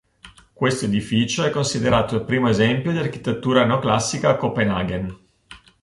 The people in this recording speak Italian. Questo edificio è considerato il primo esempio di architettura neoclassica a Copenhagen.